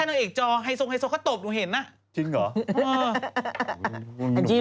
นักเอกจอตกผู้ชายที่บ้านเนี่ย